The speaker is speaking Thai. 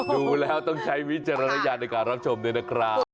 ดูแล้วต้องใช้วิจารณญาณในการรับชมด้วยนะครับ